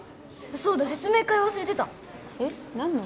そうだ説明会忘れてたえっ何の？